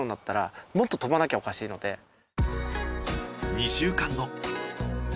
２週間後。